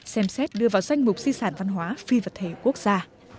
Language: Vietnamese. xem xét đưa vào danh mục di sản văn hóa phi vật thể quốc gia